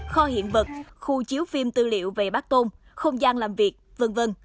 kho hiện vật khu chiếu phim tư liệu về bác tôn không gian làm việc v v